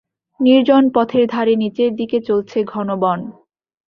নির্জন পথের ধারে নীচের দিকে চলেছে ঘন বন।